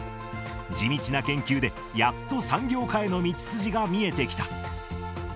地道な研究で、やっと産業化への道筋が見えてきた。